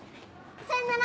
さようなら。